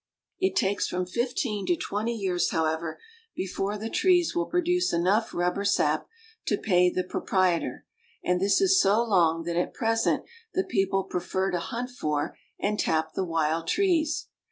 It takes from fifteen to twenty years, however, before the trees will produce enough rubber sap to pay the pro prietor, and this is so long that at present the people pre fer to hunt for and tap the wild trees.